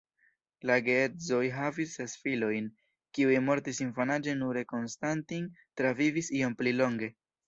La geedzoj havis ses filojn, kiuj mortis infanaĝe nure "Konstantin" travivis iom pli longe.